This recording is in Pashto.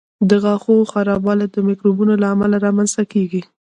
د غاښونو خرابوالی د میکروبونو له امله رامنځته کېږي.